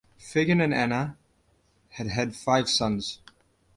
Fagan and Anna had had five sons.